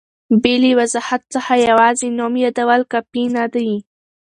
بې له وضاحت څخه یوازي نوم یادول کافي نه دي.